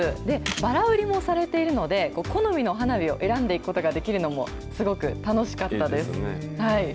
ばら売りもされているので、好みの花火を選んでいくことができるのもすごく楽しかったです。